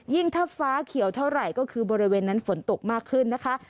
ถ้าฟ้าเขียวเท่าไหร่ก็คือบริเวณนั้นฝนตกมากขึ้นนะคะ